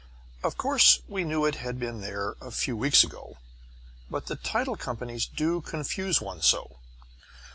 Of course we knew it had been there a few weeks ago, but the title companies do confuse one so.